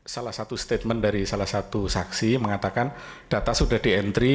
salah satu statement dari salah satu saksi mengatakan data sudah di entry